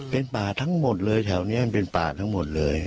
เป็นป่าทั้งหมดเลยแถวนี้มันเป็นป่าทั้งหมดเลย